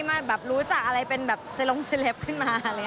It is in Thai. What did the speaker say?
มาแบบรู้จักอะไรเป็นแบบเซลงเซลปขึ้นมา